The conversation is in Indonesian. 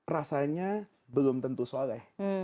rasanya belum tentu soleh